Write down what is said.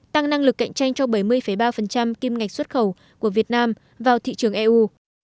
tăng năng lực cạnh tranh cho bảy mươi ba kim ngạch xuất khẩu của việt nam vào thị trường eu